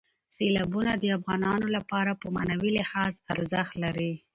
سیلابونه د افغانانو لپاره په معنوي لحاظ ارزښت لري.